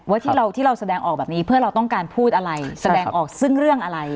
ที่เราที่เราแสดงออกแบบนี้เพื่อเราต้องการพูดอะไรแสดงออกซึ่งเรื่องอะไร